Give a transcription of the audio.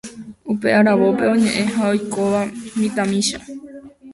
upe aravópe oñe'ẽ ha oikóva mitãmimícha.